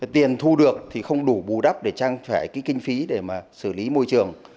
tiền thu được thì không đủ bù đắp để trang trải cái kinh phí để mà xử lý môi trường